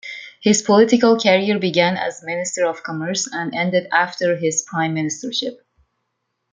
His political career began as Minister of Commerce and ended after his Prime Ministership.